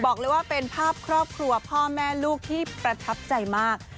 บอกเลยว่าเป็นภาพครอบครัวพ่อแม่ลูกที่ประทับใจมาก